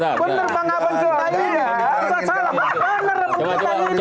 saya terpanggapan ceritanya